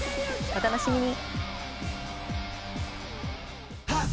お楽しみに。